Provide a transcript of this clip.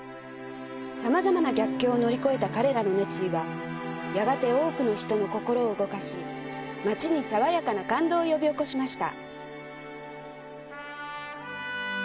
さまざまな逆境を乗り越えた彼らの熱意はやがて多くの人の心を動かし町にさわやかな感動を呼び起こしました」